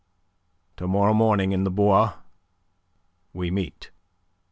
to morrow morning in the Bois... we meet."